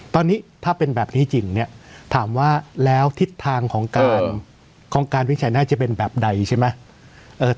ตอนนี้ถ้าเป็นแบบนี้จริงเนี่ยถามว่าแล้วทิศทางของการวิจัยน่าจะเป็นแบบใดใช่ไหม